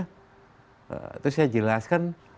he terus saya jelaskan